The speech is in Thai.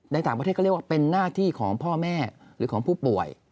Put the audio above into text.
ในต่างประเทศก็เรียกว่าเป็นหน้าที่ของพ่อแม่หรือของผู้ป่วย